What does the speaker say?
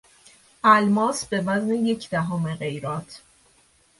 الماس به وزن یک دهم قیراط